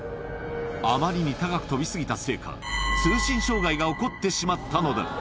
あまりに高く飛び過ぎたせいか、通信障害が起こってしまったのだ。